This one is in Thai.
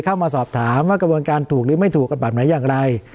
เข้ามาสอบถามว่ากระบวนการถูกหรือไม่ถูกกันแบบไหนอย่างไร